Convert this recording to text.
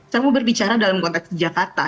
saya mau berbicara dalam konteks jakarta